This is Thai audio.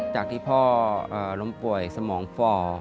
จากที่พ่อล้มป่วยสมองฝ่อ